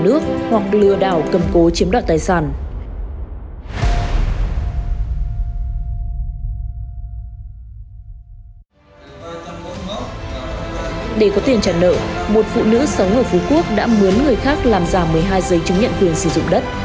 để có tiền trả nợ một phụ nữ sống ở phú quốc đã muốn người khác làm giả một mươi hai giấy chứng nhận quyền sử dụng đất